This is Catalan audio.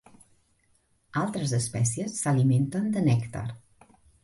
Altres espècies s'alimenten de nèctar.